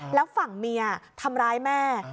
แล้วฝั่งเมียทำร้ายแม่